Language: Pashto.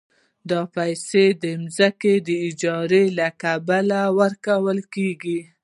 دا پیسې د ځمکې د اجارې له کبله ورکول کېږي